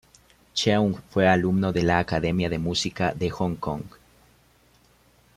Cheung fue alumno de La Academia de Música de Hong Kong.